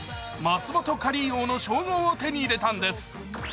松本カリー王の称号を手に入れたんです。